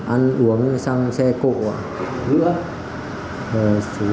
ăn uống sang xe cộ